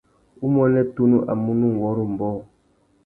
Umuênê tunu a munú nʼwôrrô umbōh.